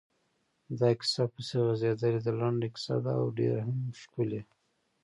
دا کیسه پسې غځېدلې ده، لنډه کیسه ده او ډېره هم ښکلې.